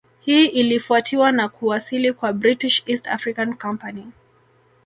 Hii ilifuatiwa na kuwasili kwa British East Africa Company